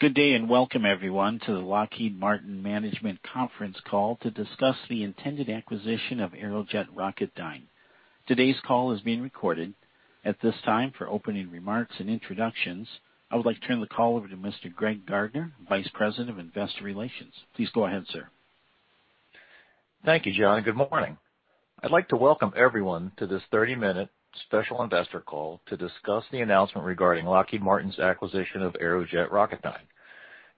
Good day, and welcome, everyone, to the Lockheed Martin Management Conference Call to discuss the intended acquisition of Aerojet Rocketdyne. Today's call is being recorded. At this time, for opening remarks and introductions, I would like to turn the call over to Mr. Greg Gardner, Vice President of Investor Relations. Please go ahead, sir. Thank you, John. Good morning. I'd like to welcome everyone to this 30-minute Special Investor Call to discuss the announcement regarding Lockheed Martin's acquisition of Aerojet Rocketdyne.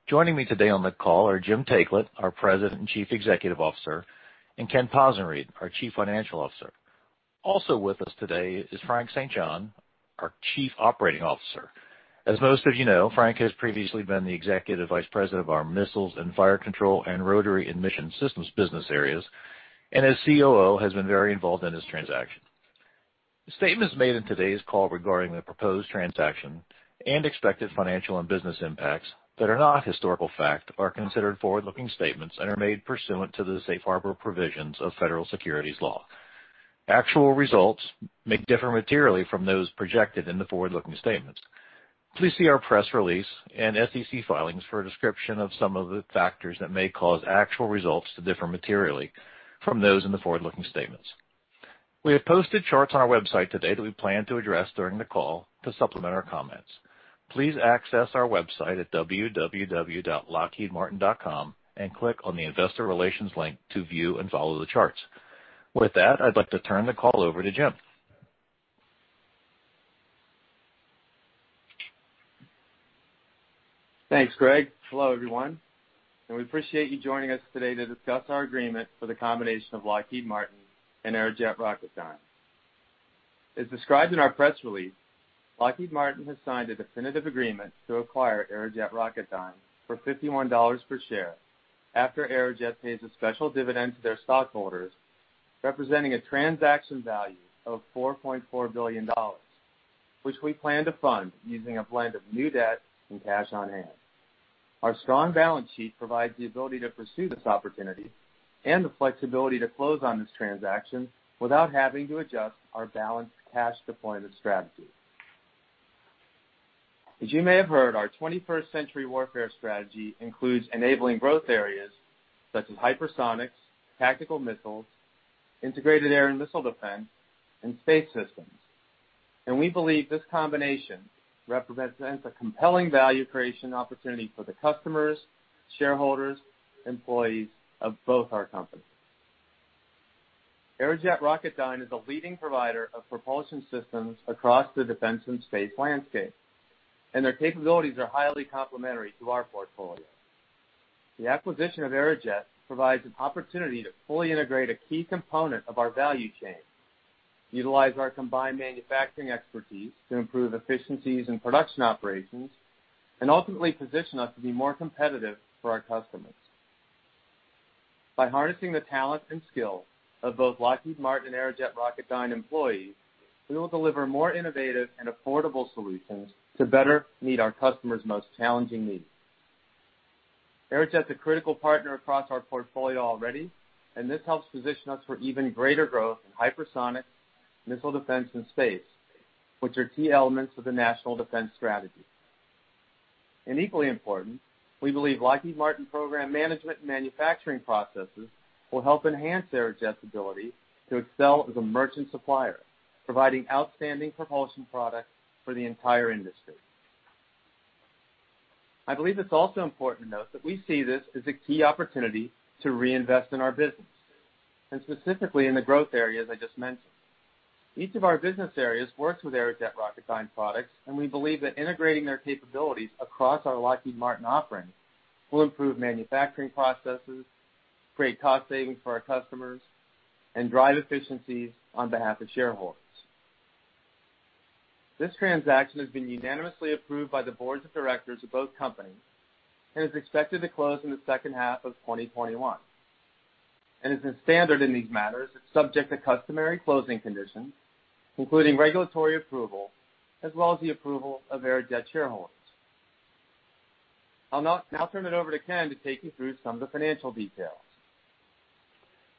Joining me today on the call are Jim Taiclet, our President and Chief Executive Officer, and Ken Possenriede, our Chief Financial Officer. Also with us today is Frank St. John, our Chief Operating Officer. As most of you know, Frank has previously been the Executive Vice President of our Missiles and Fire Control and Rotary and Mission Systems business areas, and as COO has been very involved in this transaction. The statements made in today's call regarding the proposed transaction and expected financial and business impacts that are not historical fact are considered forward-looking statements and are made pursuant to the safe harbor provisions of Federal Securities law. Actual results may differ materially from those projected in the forward-looking statements. Please see our press release and SEC filings for a description of some of the factors that may cause actual results to differ materially from those in the forward-looking statements. We have posted charts on our website today that we plan to address during the call to supplement our comments. Please access our website at www.lockheedmartin.com and click on the Investor Relations link to view and follow the charts. With that, I'd like to turn the call over to Jim. Thanks, Greg. Hello, everyone, we appreciate you joining us today to discuss our agreement for the combination of Lockheed Martin and Aerojet Rocketdyne. As described in our press release, Lockheed Martin has signed a definitive agreement to acquire Aerojet Rocketdyne for $51 per share after Aerojet pays a special dividend to their stockholders, representing a transaction value of $4.4 billion, which we plan to fund using a blend of new debt and cash on hand. Our strong balance sheet provides the ability to pursue this opportunity and the flexibility to close on this transaction without having to adjust our balanced cash deployment strategy. As you may have heard, our 21st-century warfare strategy includes enabling growth areas such as hypersonics, tactical missiles, integrated air and missile defense, and space systems. We believe this combination represents a compelling value creation opportunity for the customers, shareholders, employees of both our companies. Aerojet Rocketdyne is a leading provider of propulsion systems across the defense and space landscape, and their capabilities are highly complementary to our portfolio. The acquisition of Aerojet provides an opportunity to fully integrate a key component of our value chain, utilize our combined manufacturing expertise to improve efficiencies in production operations, and ultimately position us to be more competitive for our customers. By harnessing the talent and skill of both Lockheed Martin and Aerojet Rocketdyne employees, we will deliver more innovative and affordable solutions to better meet our customers' most challenging needs. Aerojet's a critical partner across our portfolio already, and this helps position us for even greater growth in hypersonic, missile defense, and space, which are key elements of the National Defense Strategy. Equally important, we believe Lockheed Martin program management and manufacturing processes will help enhance Aerojet's ability to excel as a merchant supplier, providing outstanding propulsion products for the entire industry. I believe it's also important to note that we see this as a key opportunity to reinvest in our business, and specifically in the growth areas I just mentioned. Each of our business areas works with Aerojet Rocketdyne products, and we believe that integrating their capabilities across our Lockheed Martin offerings will improve manufacturing processes, create cost savings for our customers, and drive efficiencies on behalf of shareholders. This transaction has been unanimously approved by the boards of directors of both companies and is expected to close in the second half of 2021. As is standard in these matters, it's subject to customary closing conditions, including regulatory approval, as well as the approval of Aerojet shareholders. I'll now turn it over to Ken to take you through some of the financial details.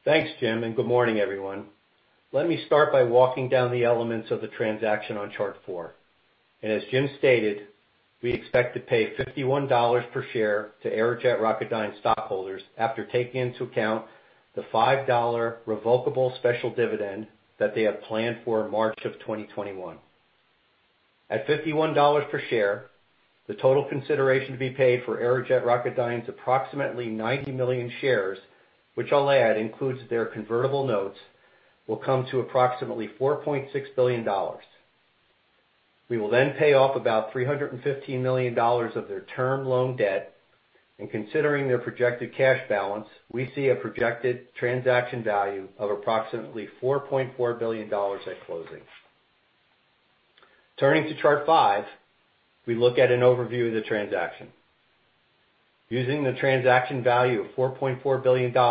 Thanks, Jim. Good morning, everyone. Let me start by walking down the elements of the transaction on chart four. As Jim stated, we expect to pay $51 per share to Aerojet Rocketdyne stockholders after taking into account the $5 revocable special dividend that they have planned for in March of 2021. At $51 per share, the total consideration to be paid for Aerojet Rocketdyne's approximately 90 million shares, which I'll add includes their convertible notes, will come to approximately $4.6 billion. We will pay off about $315 million of their term loan debt. Considering their projected cash balance, we see a projected transaction value of approximately $4.4 billion at closing. Turning to chart five, we look at an overview of the transaction. Using the transaction value of $4.4 billion, the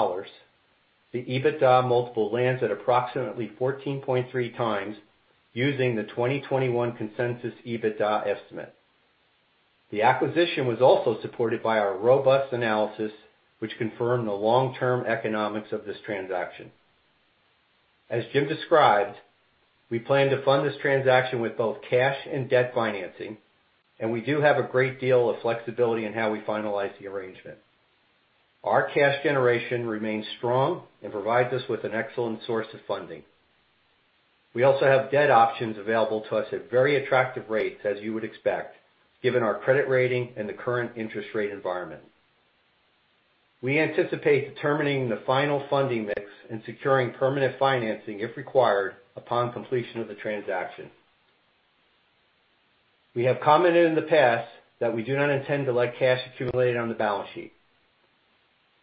EBITDA multiple lands at approximately 14.3x using the 2021 consensus EBITDA estimate. The acquisition was also supported by our robust analysis, which confirmed the long-term economics of this transaction. As Jim described, we plan to fund this transaction with both cash and debt financing, we do have a great deal of flexibility in how we finalize the arrangement. Our cash generation remains strong and provides us with an excellent source of funding. We also have debt options available to us at very attractive rates, as you would expect, given our credit rating and the current interest rate environment. We anticipate determining the final funding mix and securing permanent financing, if required, upon completion of the transaction. We have commented in the past that we do not intend to let cash accumulate on the balance sheet.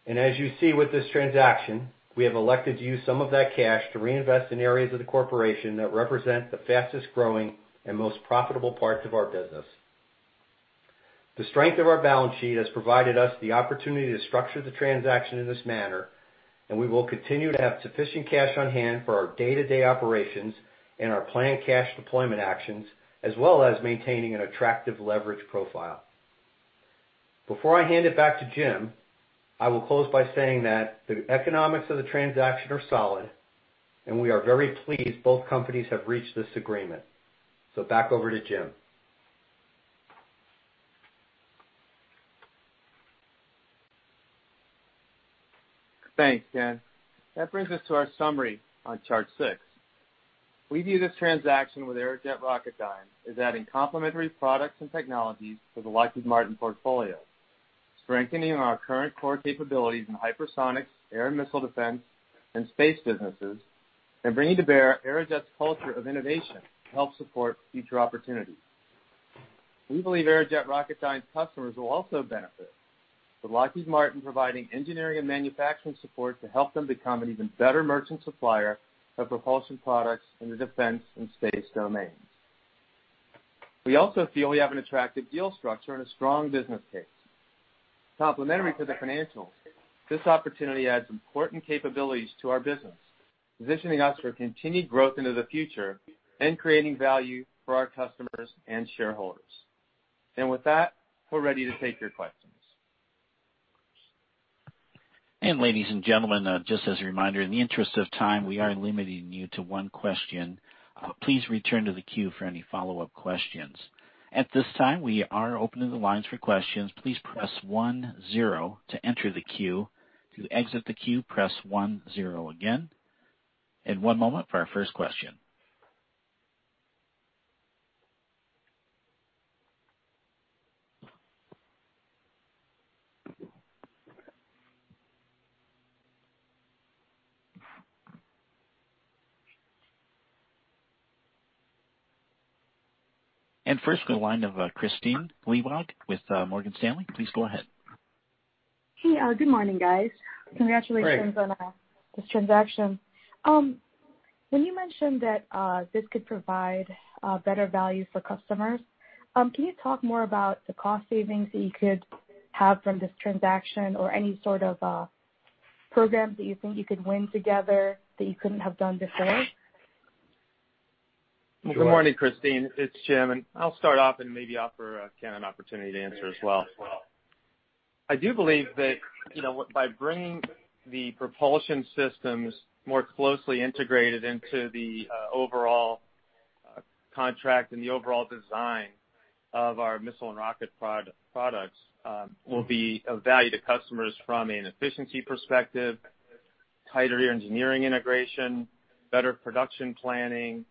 As you see with this transaction, we have elected to use some of that cash to reinvest in areas of the corporation that represent the fastest-growing and most profitable parts of our business. The strength of our balance sheet has provided us the opportunity to structure the transaction in this manner, and we will continue to have sufficient cash on hand for our day-to-day operations and our planned cash deployment actions, as well as maintaining an attractive leverage profile. Before I hand it back to Jim, I will close by saying that the economics of the transaction are solid, and we are very pleased both companies have reached this agreement. Back over to Jim. Thanks, Ken. That brings us to our summary on chart six. We view this transaction with Aerojet Rocketdyne as adding complementary products and technologies to the Lockheed Martin portfolio, strengthening our current core capabilities in hypersonics, air and missile defense, and space businesses, and bringing to bear Aerojet's culture of innovation to help support future opportunities. We believe Aerojet Rocketdyne's customers will also benefit, with Lockheed Martin providing engineering and manufacturing support to help them become an even better merchant supplier of propulsion products in the defense and space domains. We also feel we have an attractive deal structure and a strong business case. Complementary to the financials, this opportunity adds important capabilities to our business, positioning us for continued growth into the future and creating value for our customers and shareholders. With that, we're ready to take your questions. Ladies and gentlemen, just as a reminder, in the interest of time, we are limiting you to one question. Please return to the queue for any follow-up questions. At this time, we are opening the lines for questions. Please press one zero to enter the queue. To exit the queue, press one zero again. One moment for our first question. First in the line of Kristine Liwag with Morgan Stanley. Please go ahead. Hey, good morning, guys. Hi. Congratulations on this transaction. When you mentioned that this could provide better value for customers, can you talk more about the cost savings that you could have from this transaction or any sort of programs that you think you could win together that you couldn't have done before? Sure. Good morning, Kristine. It's Jim, and I'll start off and maybe offer Ken an opportunity to answer as well. I do believe that, by bringing the propulsion systems more closely integrated into the overall contract and the overall design of our missile and rocket products will be of value to customers from an efficiency perspective, tighter engineering integration, better production planning,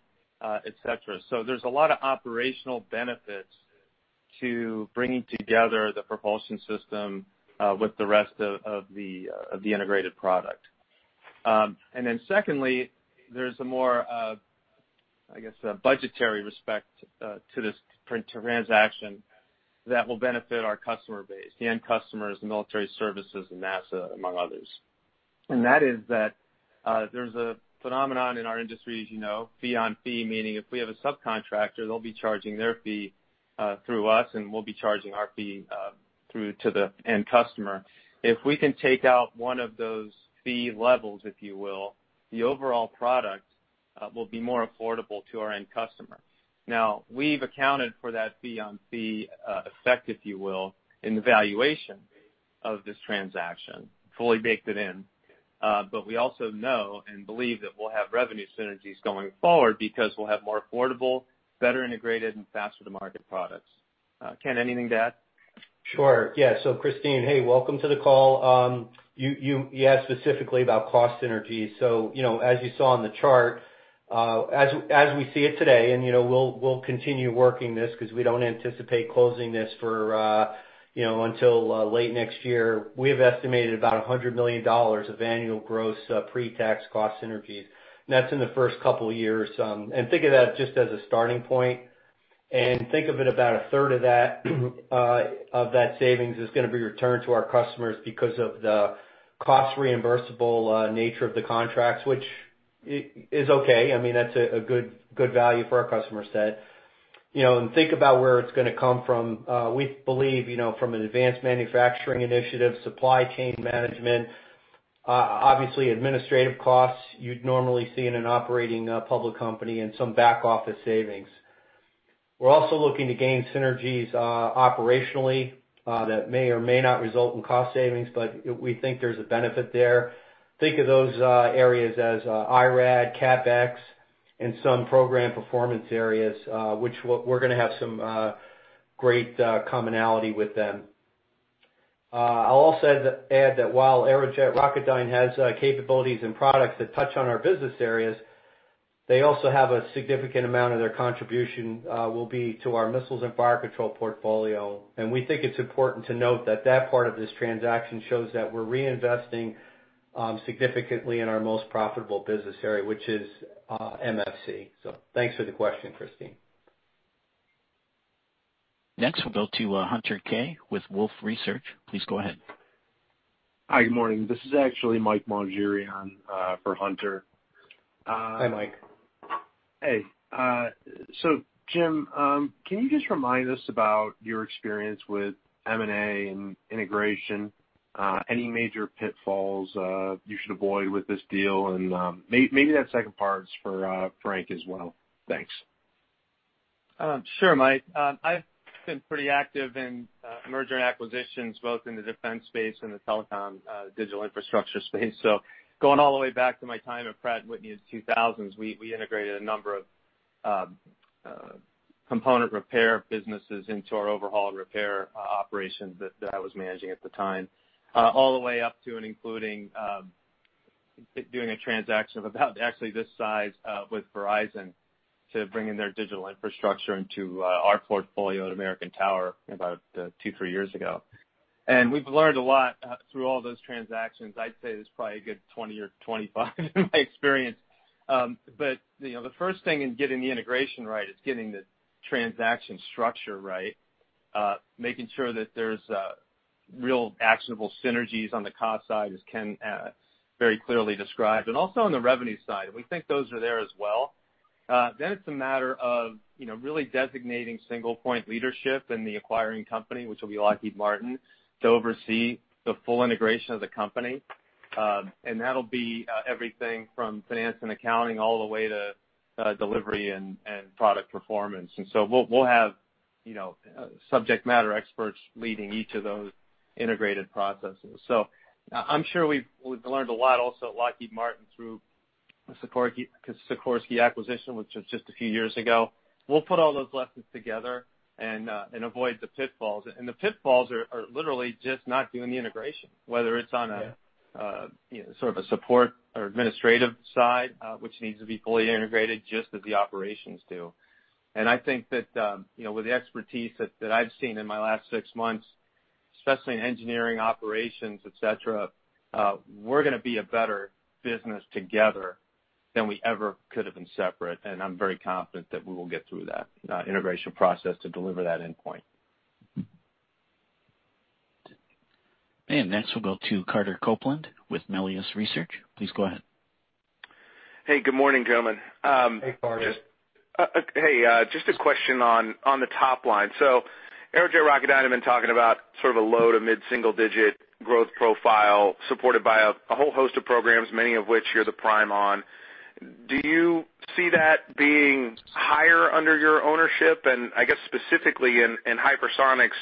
et cetera. There's a lot of operational benefits to bringing together the propulsion system, with the rest of the integrated product. Secondly, there's a more, I guess, a budgetary respect to this transaction that will benefit our customer base, the end customers, the military services, and NASA, among others. That is that there's a phenomenon in our industry, as you know, fee-on-fee, meaning if we have a subcontractor, they'll be charging their fee through us, and we'll be charging our fee through to the end customer. If we can take out one of those fee levels, if you will, the overall product will be more affordable to our end customer. Now, we've accounted for that fee-on-fee effect, if you will, in the valuation of this transaction, fully baked it in. We also know and believe that we'll have revenue synergies going forward because we'll have more affordable, better integrated, and faster-to-market products. Ken, anything to add? Sure, yeah. Kristine, hey, welcome to the call. You asked specifically about cost synergies. As you saw on the chart, as we see it today, and we'll continue working this because we don't anticipate closing this until late next year, we have estimated about $100 million of annual gross pre-tax cost synergies. That's in the first couple of years. Think of that just as a starting point, and think of it about a third of that savings is gonna be returned to our customers because of the cost reimbursable nature of the contracts, which is okay. I mean, that's a good value for our customer set. Think about where it's gonna come from. We believe, from an advanced manufacturing initiative, supply chain management, obviously administrative costs you'd normally see in an operating public company and some back office savings. We're also looking to gain synergies operationally that may or may not result in cost savings, but we think there's a benefit there. Think of those areas as IRAD, CapEx, and some program performance areas, which we're going to have some great commonality with them. I'll also add that while Aerojet Rocketdyne has capabilities and products that touch on our business areas, they also have a significant amount of their contribution will be to our Missiles and Fire Control portfolio. We think it's important to note that that part of this transaction shows that we're reinvesting significantly in our most profitable business area, which is MFC. Thanks for the question, Kristine. Next, we'll go to Hunter Keay with Wolfe Research. Please go ahead. Hi. Good morning. This is actually Mike Maugeri for Hunter. Hi, Mike. Hey. Jim, can you just remind us about your experience with M&A and integration? Any major pitfalls you should avoid with this deal? Maybe that second part is for Frank as well. Thanks. Sure, Mike. I've been pretty active in merger and acquisitions, both in the defense space and the telecom digital infrastructure space. Going all the way back to my time at Pratt & Whitney in the 2000s, we integrated a number of component repair businesses into our overhaul and repair operations that I was managing at the time, all the way up to and including doing a transaction of about actually this size with Verizon to bring in their digital infrastructure into our portfolio at American Tower about two, three years ago. We've learned a lot through all those transactions. I'd say there's probably a good 20 or 25 in my experience. The first thing in getting the integration right is getting the transaction structure right, making sure that there's real actionable synergies on the cost side, as Ken very clearly described, and also on the revenue side. We think those are there as well. It's a matter of really designating single point leadership in the acquiring company, which will be Lockheed Martin, to oversee the full integration of the company. That'll be everything from finance and accounting, all the way to delivery and product performance. We'll have subject matter experts leading each of those integrated processes. I'm sure we've learned a lot also at Lockheed Martin through the Sikorsky acquisition, which was just a few years ago. We'll put all those lessons together and avoid the pitfalls. The pitfalls are literally just not doing the integration, whether it's on a sort of a support or administrative side, which needs to be fully integrated just as the operations do. I think that with the expertise that I've seen in my last six months, especially in engineering operations, et cetera, we're going to be a better business together than we ever could have been separate. I'm very confident that we will get through that integration process to deliver that endpoint. Next, we'll go to Carter Copeland with Melius Research. Please go ahead. Hey, good morning, gentlemen. Hey, Carter. Hey. Just a question on the top line. Aerojet Rocketdyne have been talking about sort of a low to mid single-digit growth profile supported by a whole host of programs, many of which you're the prime on. Do you see that being higher under your ownership? I guess specifically in hypersonics,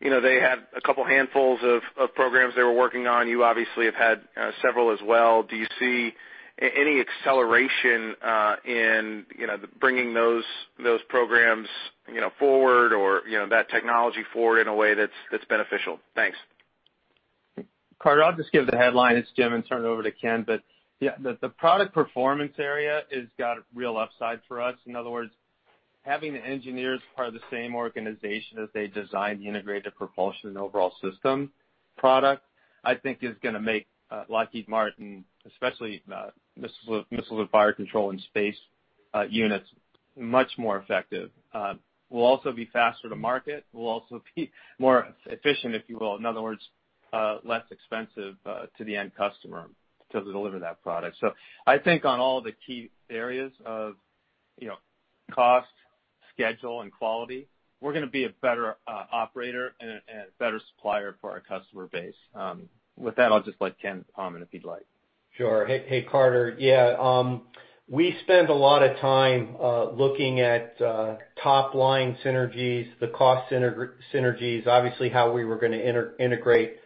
they had a couple handfuls of programs they were working on. You obviously have had several as well. Do you see any acceleration in bringing those programs forward or that technology forward in a way that's beneficial? Thanks. Carter, I'll just give the headline, it's Jim, and turn it over to Ken. The product performance area has got a real upside for us. In other words, having the engineers part of the same organization as they design the integrated propulsion and overall system product, I think is going to make Lockheed Martin, especially Missiles and Fire Control and Space units, much more effective. We'll also be faster to market. We'll also be more efficient, if you will. In other words, less expensive to the end customer to deliver that product. I think on all the key areas of cost, schedule, and quality, we're going to be a better operator and a better supplier for our customer base. With that, I'll just let Ken comment if he'd like. Sure. Hey, Carter. Yeah, we spend a lot of time looking at top-line synergies, the cost synergies, obviously how we were going to integrate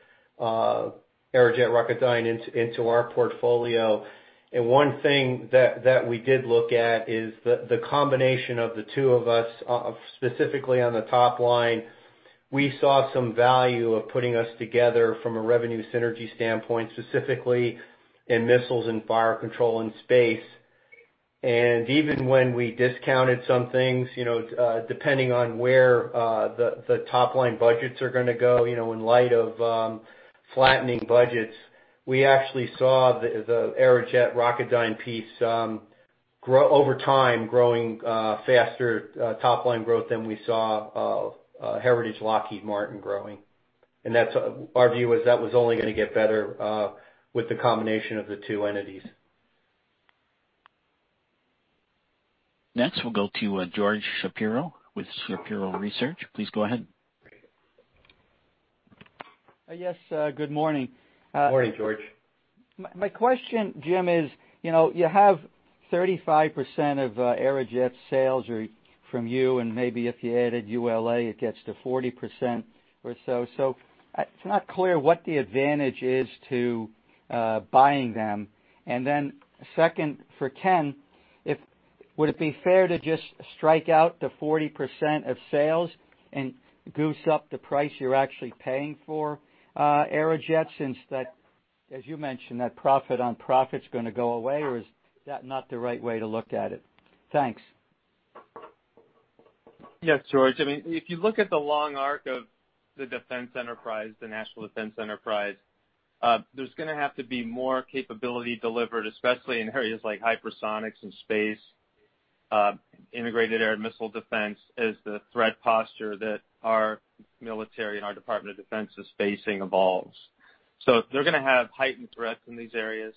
Aerojet Rocketdyne into our portfolio. One thing that we did look at is the combination of the two of us, specifically on the top line, we saw some value of putting us together from a revenue synergy standpoint, specifically in Missiles and Fire Control and Space. Even when we discounted some things, depending on where the top-line budgets are going to go in light of flattening budgets, we actually saw the Aerojet Rocketdyne piece over time growing faster top-line growth than we saw Heritage Lockheed Martin growing. Our view is that was only going to get better with the combination of the two entities. Next, we'll go to George Shapiro with Shapiro Research. Please go ahead Yes. Good morning. Morning, George. My question, Jim, is, you have 35% of Aerojet's sales are from you, and maybe if you added ULA, it gets to 40% or so. Can I clear what is the advantage is to buying them and then second, for Ken, would it be fair to just strike out the 40% of sales and goose up the price you're actually paying for Aerojet, since that, as you mentioned, that fee-on-fee's going to go away? Or is that not the right way to look at it? Thanks. Yeah, George. If you look at the long arc of the defense enterprise, the national defense enterprise, there's going to have to be more capability delivered, especially in areas like hypersonics and space, integrated air missile defense as the threat posture that our military and our Department of Defense is facing evolves. They're going to have heightened threats in these areas.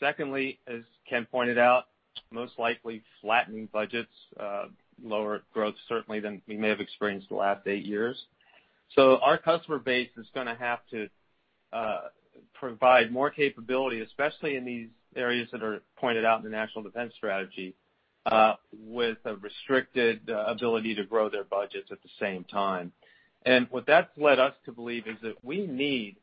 Secondly, as Ken pointed out, most likely flattening budgets, lower growth certainly than we may have experienced the last eight years. Our customer base is going to have to provide more capability, especially in these areas that are pointed out in the National Defense Strategy, with a restricted ability to grow their budgets at the same time. What that's led us to believe is that we need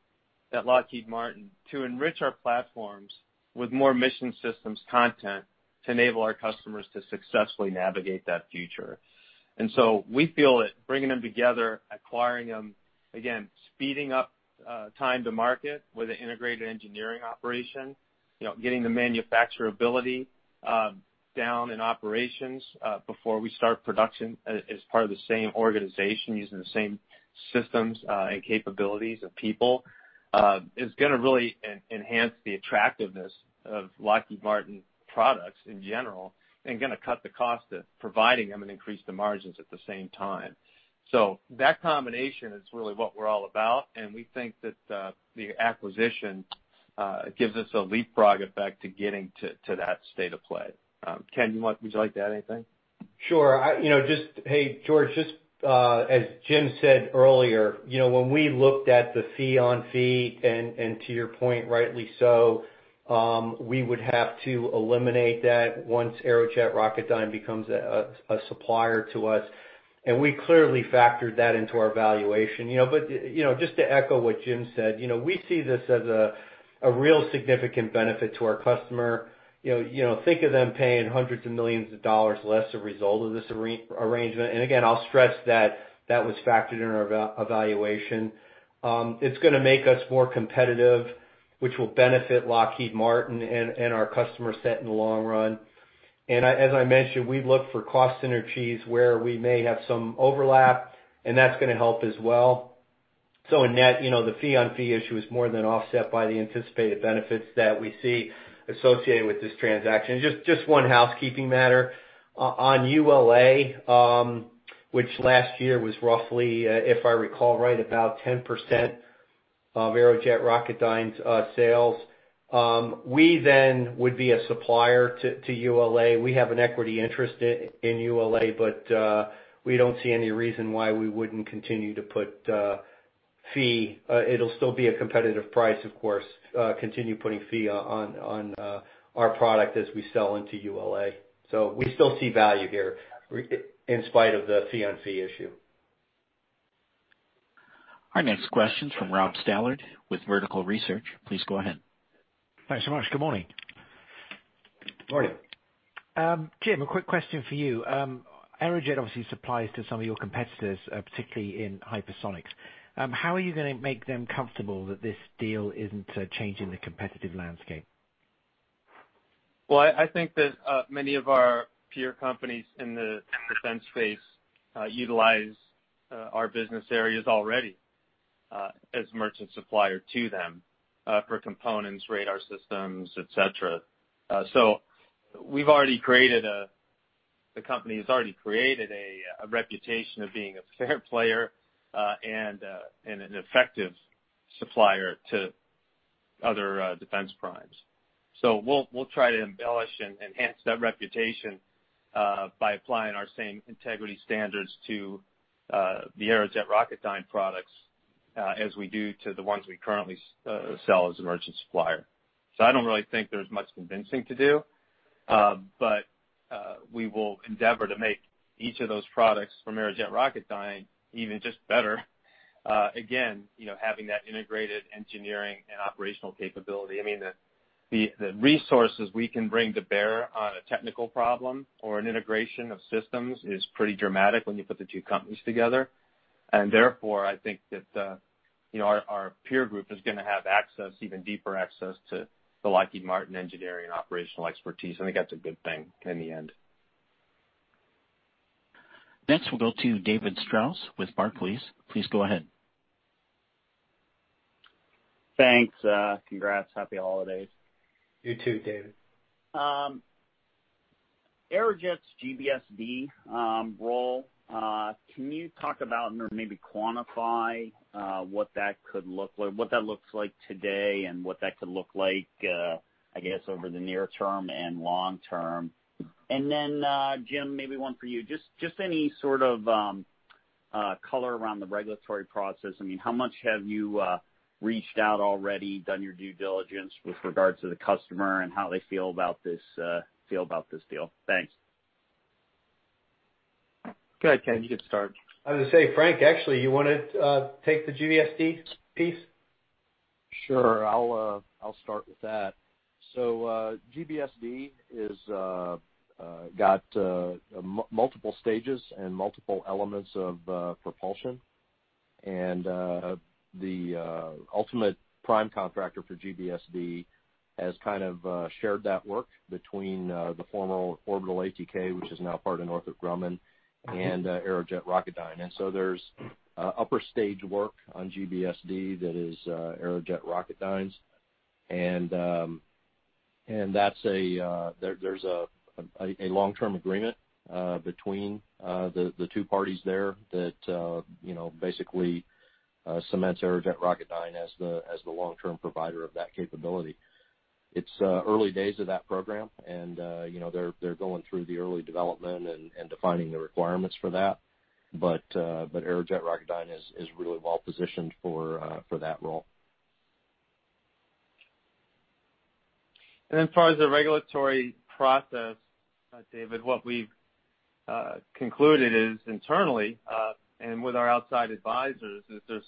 that Lockheed Martin to enrich our platforms with more mission systems content to enable our customers to successfully navigate that future. We feel that bringing them together, acquiring them, again, speeding up time to market with an integrated engineering operation, getting the manufacturability down in operations, before we start production as part of the same organization, using the same systems, and capabilities of people, is going to really enhance the attractiveness of Lockheed Martin products in general, and going to cut the cost of providing them and increase the margins at the same time. That combination is really what we're all about, and we think that the acquisition gives us a leapfrog effect to getting to that state of play. Ken, would you like to add anything? Sure. Hey, George, just as Jim said earlier, when we looked at the fee-on-fee, to your point, rightly so, we would have to eliminate that once Aerojet Rocketdyne becomes a supplier to us. We clearly factored that into our valuation. Just to echo what Jim said, we see this as a real significant benefit to our customer. Think of them paying hundreds of millions of dollars less a result of this arrangement. Again, I'll stress that was factored in our evaluation. It's going to make us more competitive, which will benefit Lockheed Martin and our customer set in the long run. As I mentioned, we look for cost synergies where we may have some overlap, and that's going to help as well. In net, the fee-on-fee issue is more than offset by the anticipated benefits that we see associated with this transaction. Just one housekeeping matter. On ULA, which last year was roughly, if I recall right, about 10% of Aerojet Rocketdyne's sales. We then would be a supplier to ULA. We have an equity interest in ULA, but we don't see any reason why we wouldn't continue to put fee. It'll still be a competitive price, of course, continue putting fee on our product as we sell into ULA. We still see value here in spite of the fee-on-fee issue. Our next question's from Rob Stallard with Vertical Research. Please go ahead. Thanks so much. Good morning. Morning. Jim, a quick question for you. Aerojet obviously supplies to some of your competitors, particularly in hypersonics. How are you going to make them comfortable that this deal isn't changing the competitive landscape? Well, I think that many of our peer companies in the defense space utilize our business areas already as merchant supplier to them for components, radar systems, et cetera. The company has already created a reputation of being a fair player, and an effective supplier to other defense primes. We'll try to embellish and enhance that reputation by applying our same integrity standards to the Aerojet Rocketdyne products as we do to the ones we currently sell as a merchant supplier. I don't really think there's much convincing to do. We will endeavor to make each of those products from Aerojet Rocketdyne even just better. Again, having that integrated engineering and operational capability. The resources we can bring to bear on a technical problem or an integration of systems is pretty dramatic when you put the two companies together. Therefore, I think that our peer group is going to have even deeper access to the Lockheed Martin engineering and operational expertise, and I think that's a good thing in the end. Next we'll go to David Strauss with Barclays. Please go ahead. Thanks. Congrats. Happy holidays. You too, David. Aerojet's GBSD role, can you talk about or maybe quantify what that looks like today and what that could look like, I guess, over the near term and long term? Jim, maybe one for you. Just any sort of color around the regulatory process. How much have you reached out already, done your due diligence with regards to the customer and how they feel about this deal? Thanks. Go ahead, Ken. You can start. I was going to say, Frank, actually, you want to take the GBSD piece? I'll start with that. GBSD has got multiple stages and multiple elements of propulsion, and the ultimate prime contractor for GBSD has kind of shared that work between the former Orbital ATK, which is now part of Northrop Grumman, and Aerojet Rocketdyne. There's upper-stage work on GBSD that is Aerojet Rocketdyne's, and there's a long-term agreement between the two parties there that basically cements Aerojet Rocketdyne as the long-term provider of that capability. It's early days of that program, and they're going through the early development and defining the requirements for that. Aerojet Rocketdyne is really well-positioned for that role. As far as the regulatory process, David, what we've concluded is internally, and with our outside advisors, is there's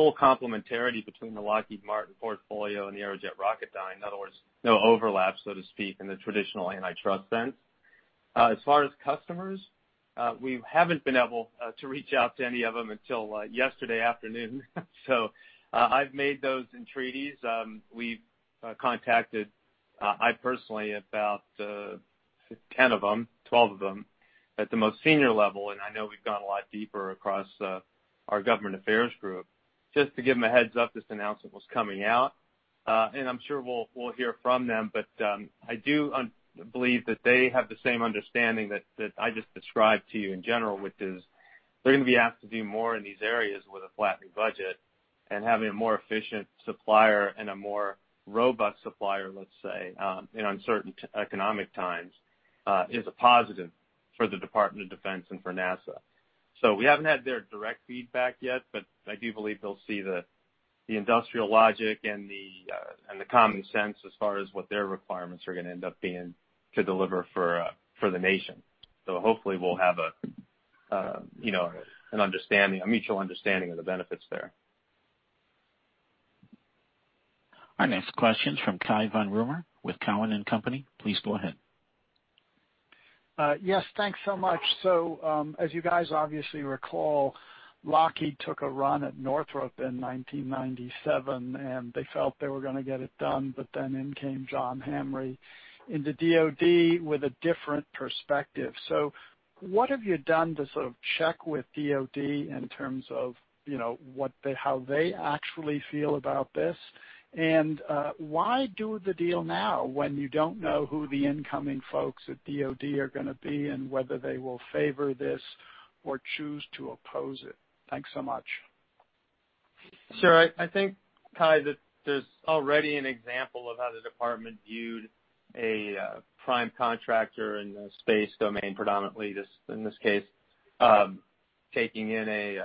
full complementarity between the Lockheed Martin portfolio and the Aerojet Rocketdyne. In other words, no overlaps, so to speak, in the traditional antitrust sense. As far as customers, we haven't been able to reach out to any of them until yesterday afternoon. I've made those entreaties. We've contacted, I personally, about 10 of them, 12 of them, at the most senior level, and I know we've gone a lot deeper across our government affairs group, just to give them a heads-up this announcement was coming out. I'm sure we'll hear from them, but I do believe that they have the same understanding that I just described to you in general, which is they're going to be asked to do more in these areas with a flattening budget, and having a more efficient supplier and a more robust supplier, let's say, in uncertain economic times, is a positive for the Department of Defense and for NASA. We haven't had their direct feedback yet, but I do believe they'll see the industrial logic and the common sense as far as what their requirements are going to end up being to deliver for the nation. Hopefully we'll have a mutual understanding of the benefits there. Our next question's from Cai von Rumohr with Cowen and Company. Please go ahead. Yes, thanks so much. As you guys obviously recall, Lockheed took a run at Northrop in 1997, and they felt they were going to get it done, but then in came John Hamre into DoD with a different perspective. What have you done to sort of check with DoD in terms of how they actually feel about this? Why do the deal now when you don't know who the incoming folks at DoD are gonna be and whether they will favor this or choose to oppose it? Thanks so much. Sure. I think, Cai, that there's already an example of how the department viewed a prime contractor in the space domain, predominantly in this case, taking in a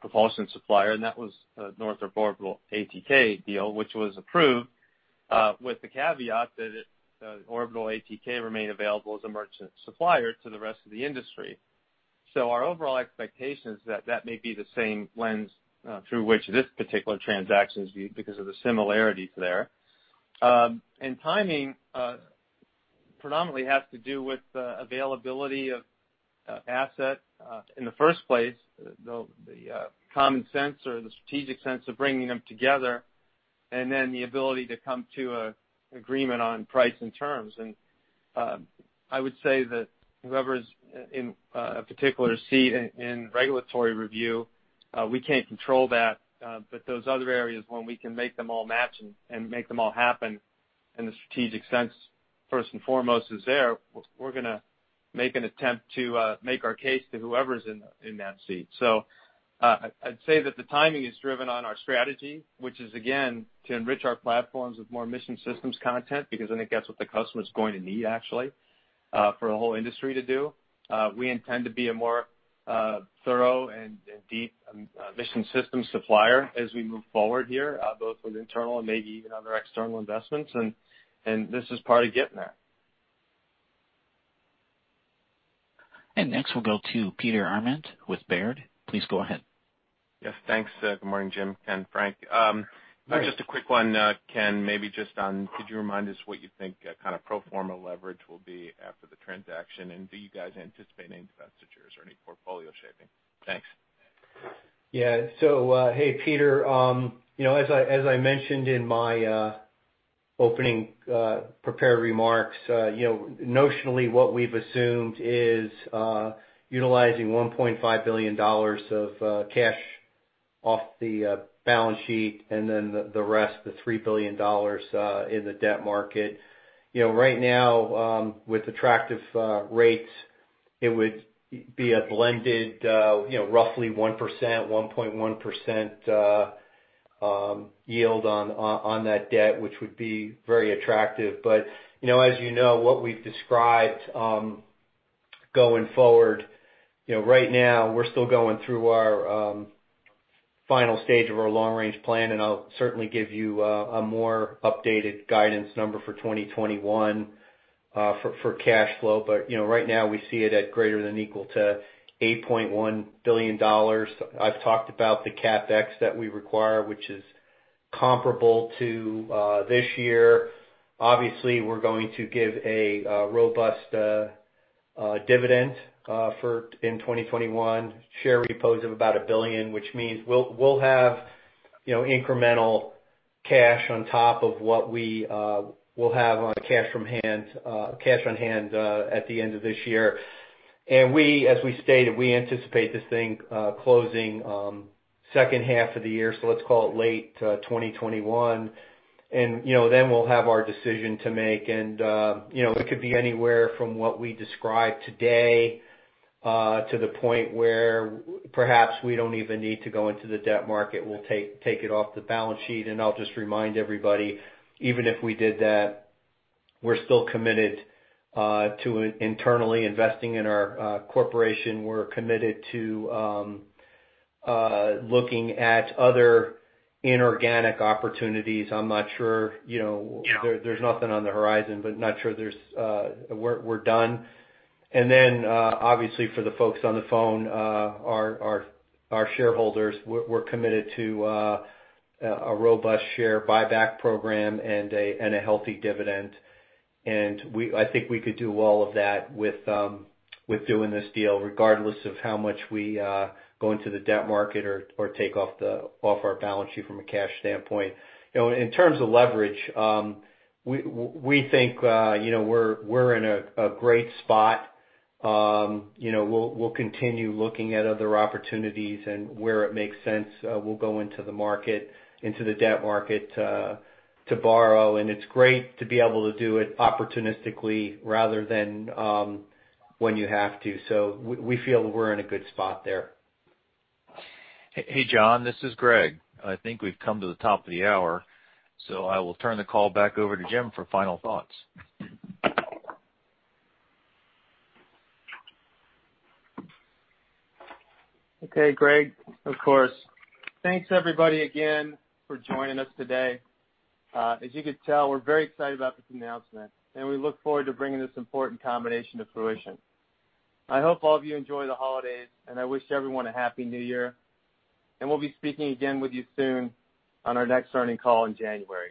propulsion supplier, and that was the Northrop Orbital ATK deal, which was approved with the caveat that Orbital ATK remain available as a merchant supplier to the rest of the industry. Our overall expectation is that that may be the same lens through which this particular transaction is viewed because of the similarities there. Timing predominantly has to do with availability of asset in the first place, the common sense or the strategic sense of bringing them together, and then the ability to come to an agreement on price and terms. I would say that whoever's in a particular seat in regulatory review, we can't control that. Those other areas when we can make them all match and make them all happen in the strategic sense, first and foremost is there, we are going to make an attempt to make our case to whoever is in that seat. I would say that the timing is driven on our strategy, which is, again, to enrich our platforms with more mission systems content, because I think that is what the customer is going to need, actually, for the whole industry to do. We intend to be a more thorough and deep mission systems supplier as we move forward here, both with internal and maybe even other external investments, and this is part of getting there. Next, we'll go to Peter Arment with Baird. Please go ahead. Yes, thanks. Good morning, Jim, Ken, Frank. Just a quick one, Ken, maybe just on, could you remind us what you think kind of pro forma leverage will be after the transaction? Do you guys anticipate any divestitures or any portfolio shaping? Thanks. Hey, Peter. As I mentioned in my opening prepared remarks, notionally what we've assumed is utilizing $1.5 billion of cash off the balance sheet and then the rest, the $3 billion, in the debt market. Right now, with attractive rates, it would be a blended roughly 1%, 1.1% yield on that debt, which would be very attractive. As you know, what we've described going forward, right now we're still going through our final stage of our long-range plan, and I'll certainly give you a more updated guidance number for 2021 for cash flow. Right now we see it at greater than equal to $8.1 billion. I've talked about the CapEx that we require, which is comparable to this year. Obviously, we're going to give a robust dividend in 2021, share repos of about $1 billion, which means we'll have incremental cash on top of what we will have on cash on hand at the end of this year. As we stated, we anticipate this thing closing second half of the year, so let's call it late 2021. Then we'll have our decision to make. It could be anywhere from what we described today, to the point where perhaps we don't even need to go into the debt market. We'll take it off the balance sheet, and I'll just remind everybody, even if we did that, we're still committed to internally investing in our corporation. We're committed to looking at other inorganic opportunities. There's nothing on the horizon, but not sure we're done. Obviously for the folks on the phone, our shareholders, we're committed to a robust share buyback program and a healthy dividend. We could do all of that with doing this deal, regardless of how much we go into the debt market or take off our balance sheet from a cash standpoint. In terms of leverage, we think we're in a great spot. We'll continue looking at other opportunities, and where it makes sense, we'll go into the debt market to borrow. It's great to be able to do it opportunistically rather than when you have to. We feel that we're in a good spot there. Hey, John. This is Greg. I think we've come to the top of the hour. I will turn the call back over to Jim for final thoughts. Okay, Greg. Of course. Thanks everybody again for joining us today. As you could tell, we're very excited about this announcement, and we look forward to bringing this important combination to fruition. I hope all of you enjoy the holidays, and I wish everyone a happy New Year, and we'll be speaking again with you soon on our next earning call in January.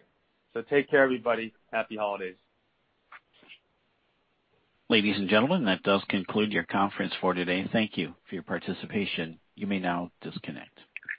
Take care, everybody. Happy holidays. Ladies and gentlemen, that does conclude your conference for today. Thank you for your participation. You may now disconnect.